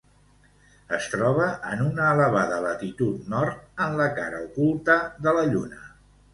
Es troba en una elevada latitud nord, en la cara oculta de la Lluna.